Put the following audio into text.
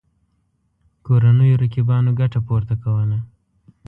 کورنیو رقیبانو ګټه پورته کوله.